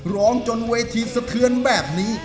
ร้องจนเวทีสะเทือนแบบนี้